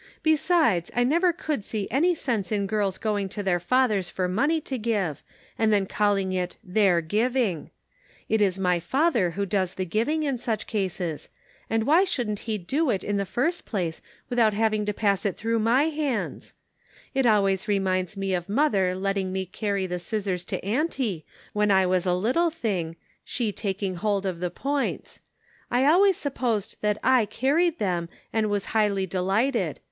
Besides, I never could see any sense in girls going to their fathers for money to give, and then calling it their giving. It is my father who does the giving in such cases, A Problem. 239 and why shouldn't he do it in the first place, without having it pass through my hands ? It always reminds me of mother letting me carry the scissors to auntie, when I was a little thing, she taking hold of the points. I always sup posed that I carried them, and was highly delighted.